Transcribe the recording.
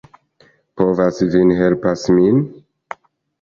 Povas vin helpas min?